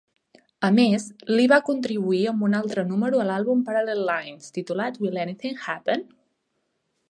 A més, Lee va contribuir amb un altre número a l'àlbum "Parallel Lines" titulat "Will Anything Happen?".